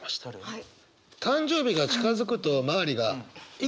はい。